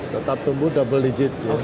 tetap tumbuh double digit